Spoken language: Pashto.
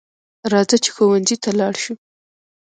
راځه چې ښوونځي ته لاړ شو